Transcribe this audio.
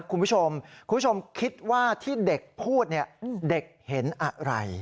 คุณผู้ชมคุณผู้ชมคิดว่าที่เด็กพูดเนี่ยเด็กเห็นอะไร